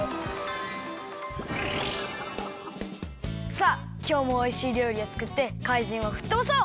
さあきょうもおいしいりょうりをつくってかいじんをふっとばそう！